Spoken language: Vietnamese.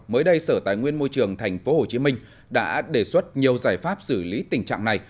mới đây sở tài nguyên môi trường tp hcm đã đề xuất nhiều giải pháp xử lý tình trạng này